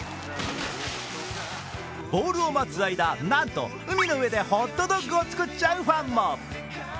ボールを待つ間、なんと海の上でホットドッグを作っちゃうファンも。